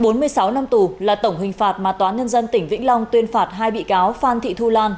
bốn mươi sáu năm tù là tổng hình phạt mà toán nhân dân tỉnh vĩnh long tuyên phạt hai bị cáo phan thị thu lan